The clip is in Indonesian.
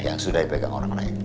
yang sudah dipegang orang lain